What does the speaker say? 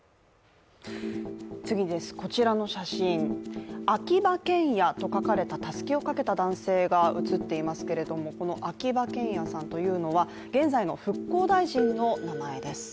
こちらの写真、「秋葉けんや」と書かれたたすきを掛けた男性が立っていますがこの秋葉賢也さんというのは現在の復興大臣の名前です。